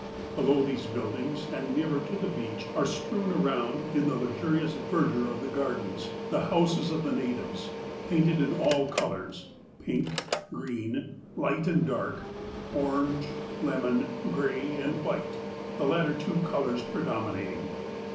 Below these build ings, and nearer to the beach, are strewn around in the luxurious verdure of the gardens, the houses of the natives, painted in all colours ; pink, green, light and dark, orange, lemon, gray, and white — the latter two colours predominating.